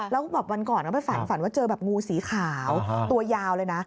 แล้วแบบวันก่อนไปฝันฝันว่าเจอแบบงูสีขาวตัวยาวเลยนะ